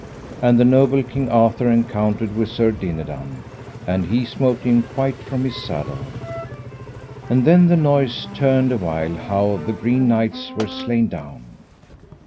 And the noble King Arthur encountered with Sir Dinadan, and he smote him quite from his saddle. And then the noise turned awhile how the green knights were slain down.